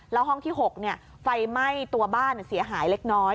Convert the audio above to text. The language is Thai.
แล้วห้องที่๖ไฟไหม้ตัวบ้านเสียหายเล็กน้อย